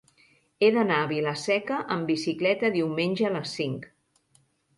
He d'anar a Vila-seca amb bicicleta diumenge a les cinc.